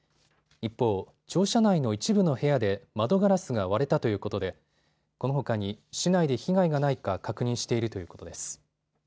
一方、庁舎内の一部の部屋で窓ガラスが割れたということでこのほかに市内で被害がないか確認しているということです。